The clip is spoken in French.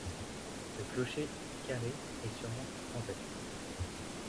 Le clocher est carré et surmonte le transept.